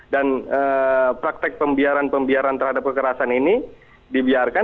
dan praktek pembiaran pembiaran terhadap kekerasan ini dibiarkan